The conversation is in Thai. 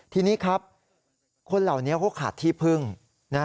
ทีนี้ครับคนเหล่านี้เขาขาดที่พึ่งนะ